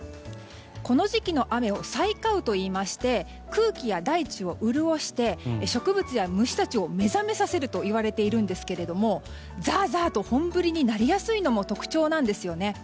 この時期の雨を催花雨といいまして空気や大地を潤して植物や虫たちを目覚めさせるといわれているんですがザーザーと本降りになりやすいのも特徴なんです。